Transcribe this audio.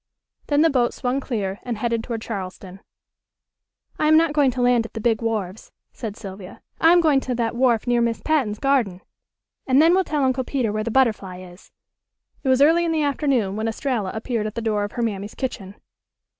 Then the boat swung clear and headed toward Charleston. "I am not going to land at the big wharves," said Sylvia. "I am going to that wharf near Miss Patten's garden. And then we'll tell Uncle Peter where the Butterfly is." It was early in the afternoon when Estralla appeared at the cloor of her mammy's kitchen.